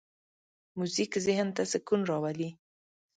موزیک ذهن ته سکون راولي.